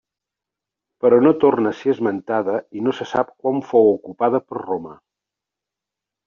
Però no torna a ser esmentada i no se sap quan fou ocupada per Roma.